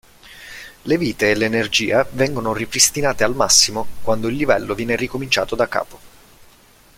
Le vite e l'energia vengono ripristinate al massimo quando il livello viene ricominciato daccapo.